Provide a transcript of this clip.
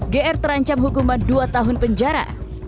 gr terancam hukuman dua tahun penjara